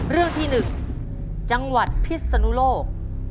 เรื่องที่๑จังหวัดพิศนุโลก